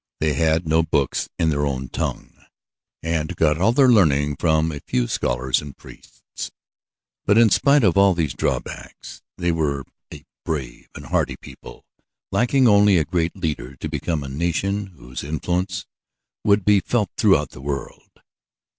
They had no books in their own tongue, and got all their learning from a few scholars and priests. But in spite of all these drawbacks they were a brave and hardy people, lacking only a great leader to become a nation whose influence would be felt throughout the world.